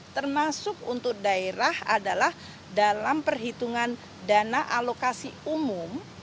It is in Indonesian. termasuk untuk daerah adalah dalam perhitungan dana alokasi umum